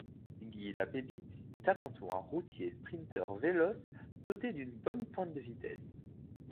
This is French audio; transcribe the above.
Guy Lapébie est avant tout un routier-sprinteur véloce, doté d'une bonne pointe de vitesse.